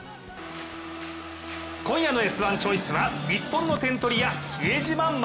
今夜の「Ｓ☆１」チョイスは日本の点取り屋、比江島慎。